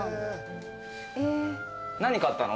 何買ったの？